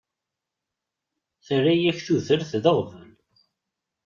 Terra-yak tudert d aɣbel.